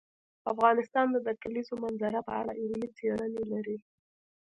افغانستان د د کلیزو منظره په اړه علمي څېړنې لري.